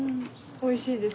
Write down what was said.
おいしいです。